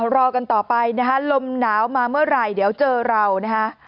รอกันต่อไปนะคะลมหนาวมาเมื่อไหร่เดี๋ยวเจอเรานะฮะ